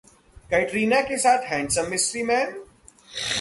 कैटरीना के साथ handsome mystery man?